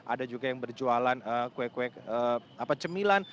ada juga yang berjualan cemilan